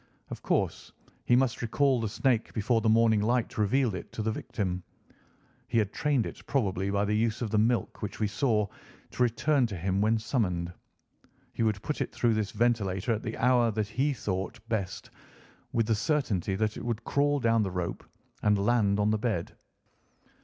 Of course he must recall the snake before the morning light revealed it to the victim. He had trained it, probably by the use of the milk which we saw, to return to him when summoned. He would put it through this ventilator at the hour that he thought best, with the certainty that it would crawl down the rope and land on the bed.